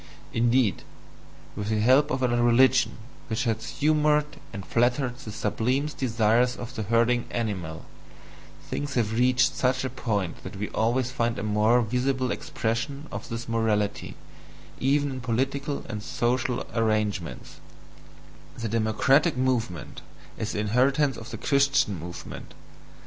Indeed, with the help of a religion which has humoured and flattered the sublimest desires of the herding animal, things have reached such a point that we always find a more visible expression of this morality even in political and social arrangements: the DEMOCRATIC movement is the inheritance of the Christian movement.